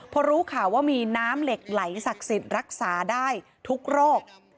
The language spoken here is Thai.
พอรู้ข่าวว่ามีน้ำเหล็กไหลศักดิ์สิทธิ์รักษาได้ทุกโรค